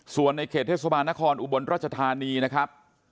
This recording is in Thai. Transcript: ส่วนในเขตเทศบาลนครอุบลรัชธานีนะครับ